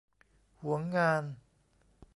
หวงงาน